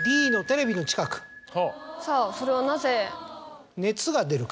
さぁそれはなぜ？